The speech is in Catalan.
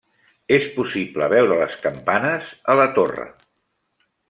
És possible veure les campanes a la torre.